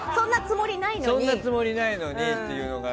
そんなつもりないのにっていうのが。